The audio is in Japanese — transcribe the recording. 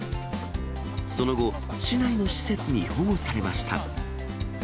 その後、市内の施設に保護されました。